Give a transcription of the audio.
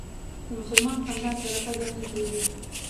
د مسلمان خندا صدقه ګڼل کېږي.